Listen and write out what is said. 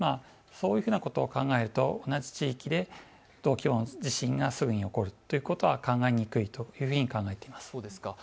そういうことを考えると、同じ地域で同規模の地震がすぐに起こるということは考えにくいと考えています。